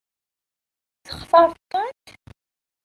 Textaṛeḍ-tent?